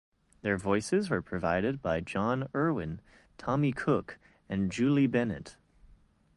Their voices were provided by John Erwin, Tommy Cook and Julie Bennett.